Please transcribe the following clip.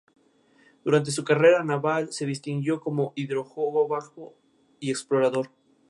Además era uno de los principales compositores de la música de After Forever.